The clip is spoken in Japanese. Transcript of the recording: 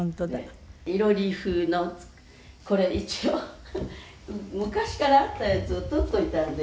「囲炉裏風のこれ一応昔からあったやつを取っておいたんで」